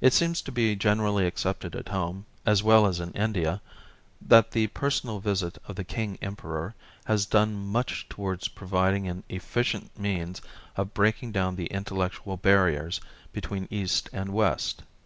It seems to be generally accepted at home as well as in India that the personal visit of the King Emperor has done much towards providing an efficient means of breaking down the intellectual barriers between East and West.